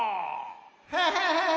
・ハハハハ。